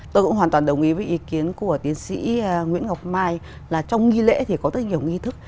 tôi cũng hoàn toàn đồng ý với ý kiến của tiến sĩ nguyễn ngọc mai là trong nghi lễ thì có rất nhiều nghi thức